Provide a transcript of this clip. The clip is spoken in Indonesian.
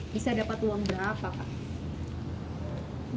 bisa dapat uang berapa pak